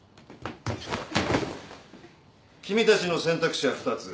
君たちの選択肢は２つ。